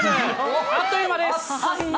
あっという間です。